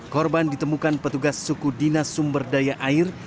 korban ditemukan petugas suku dinas sumber daya air